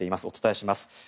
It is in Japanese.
お伝えします。